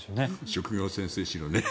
職業潜水士のね。